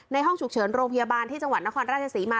ห้องฉุกเฉินโรงพยาบาลที่จังหวัดนครราชศรีมา